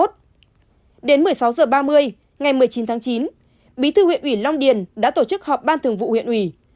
đến một mươi sáu h ba mươi ngày một mươi chín tháng chín bí thư huyện ủy long điền đã tổ chức họp ban thường vụ huyện ủy